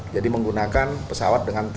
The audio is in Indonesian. jadi menggunakan pesawat non jet